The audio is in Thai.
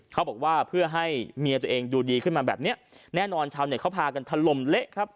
เขาบอกว่าเพื่อให้เมียตัวเองดูดีขึ้นมาแบบเนี้ยแน่นอนชาวเน็ตเขาพากันถล่มเละครับ